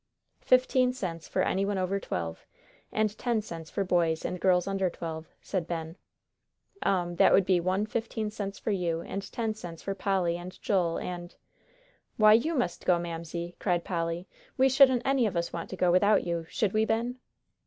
"Fifteen cents for any one over twelve, and ten cents for boys and girls under twelve," said Ben. "Um, that would be one fifteen cents for you, and ten cents for Polly and Joel, and " "Why, you must go, Mamsie," cried Polly; "we shouldn't any of us want to go without you, should we, Ben?"